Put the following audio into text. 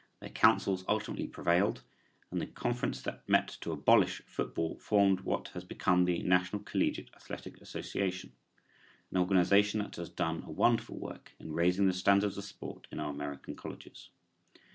Their counsels ultimately prevailed and the conference that had met to abolish football formed what has become the National Collegiate Athletic Association, an organization that has done a wonderful work in raising the standards of sport in our American colleges.